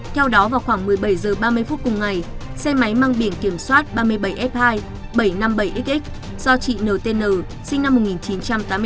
theo đó vào khoảng một mươi bảy h ba mươi cùng ngày xe máy mang biển kiểm soát ba mươi bảy f hai bảy trăm năm mươi bảy xx do chị n t n sinh năm một nghìn chín trăm tám mươi tám